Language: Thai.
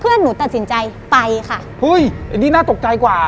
หนูตัดสินใจไปค่ะเฮ้ยอันนี้น่าตกใจกว่า